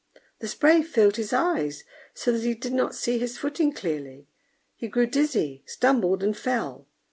The spray filled his eyes, so that he did not see his footing clearly; he grew dizzy, stumbled, and fell.